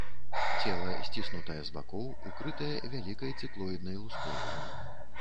Цела сціснутае з бакоў, укрытае вялікай цыклоіднай луской.